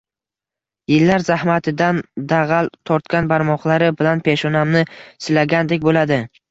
Yillar zahmatidan dag‘al tortgan barmoqlari bilan peshonamni silagandek bo‘ladi.